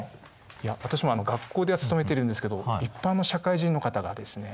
いや私も学校ではつとめてるんですけど一般の社会人の方がですね